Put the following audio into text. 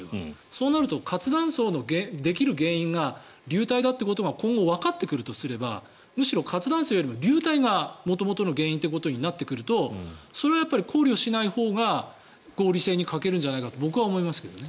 そうなると活断層のできる原因が流体だということが今後わかってくるとすればむしろ活断層よりも流体が元々の原因ということになってくるとそれは考慮しないほうが合理性に欠けるんじゃないかと僕は思いますけどね。